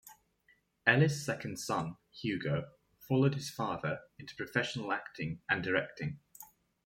Ellis's second son, Hugo, followed his father into professional acting and directing.